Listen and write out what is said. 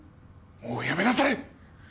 もうやめなさい！